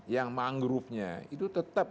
yang manggroove nya itu tetap